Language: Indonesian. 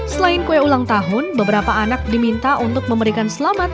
selain kue ulang tahun beberapa anak diminta untuk memberikan selamat